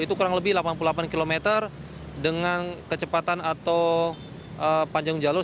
itu kurang lebih delapan puluh delapan km dengan kecepatan atau panjang jalur